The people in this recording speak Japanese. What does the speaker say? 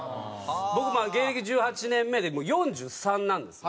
僕現役１８年目でもう４３なんですよ。